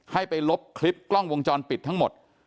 ให้ไปลบคลิปกล้องวงจรปิดทั้งหมด